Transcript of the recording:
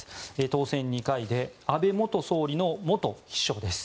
当選２回で安倍元総理の元秘書です。